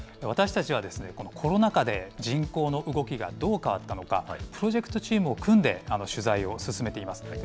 私たちはこのコロナ禍で、人口の動きがどう変わったのか、プロジェクトチームを組んで、取材を進めています。